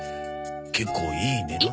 結構いい値段だな。